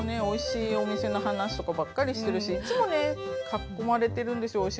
おいしいお店の話とかばっかりしてるしいつもね囲まれてるんですよ